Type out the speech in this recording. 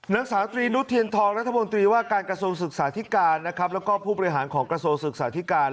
นางสาวตรีนุษเทียนทองรัฐมนตรีว่าการกระทรวงศึกษาธิการนะครับแล้วก็ผู้บริหารของกระทรวงศึกษาธิการ